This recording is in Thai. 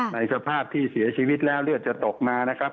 ในสภาพที่เสียชีวิตแล้วเลือดจะตกมานะครับ